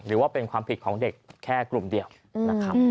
หรือว่าเป็นความผิดของเด็กแค่กลุ่มเดียวนะครับ